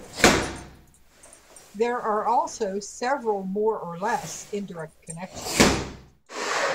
There are also several more or less indirect connections.